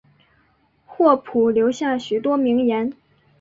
霍普留下许多名言。